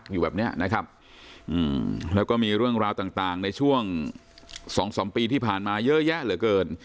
อยู่แบบเนี้ยนะครับแล้วก็มีเรื่องราวต่างในช่วงสองสามปีที่ผ่านมาเยอะแยะเหลือเกิน